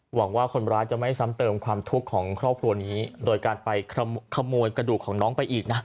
หวังว่าคนร้ายจะไม่ซ้ำเติมความทุกข์ของครอบครัวนี้โดยการไปขโมยกระดูกของน้องไปอีกนะ